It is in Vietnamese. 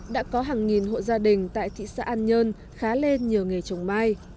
đã có hàng nghìn hộ gia đình tại thị xã an nhân khá lên nhiều nghề chồng mai